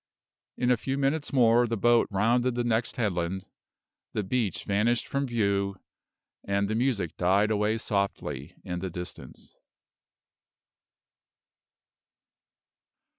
In a few minutes more the boat rounded the next headland, the beach vanished from view, and the music died away softly in the distance.